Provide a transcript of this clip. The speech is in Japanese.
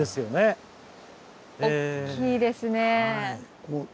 おっきいですね。